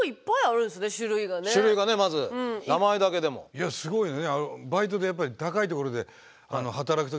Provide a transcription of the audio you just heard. いやすごいよね。